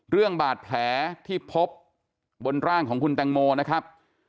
เรื่องบาดแผลที่พบบนร่างของคุณแตงโมนะครับ